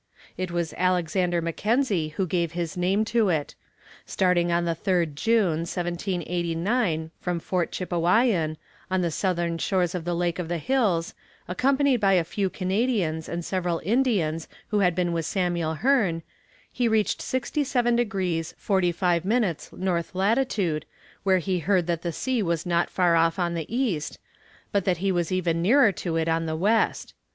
It was Alexander Mackenzie who gave his name to it. Starting on the 3rd June, 1789, from Fort Chippewyan, on the southern shores of the Lake of the Hills, accompanied by a few Canadians, and several Indians who had been with Samuel Hearn, he reached 67 degrees 45 minutes N. lat., where he heard that the sea was not far off on the east, but that he was even nearer to it on the west.